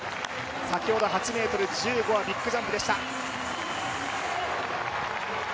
先ほどの８ｍ１５はビッグジャンプでした。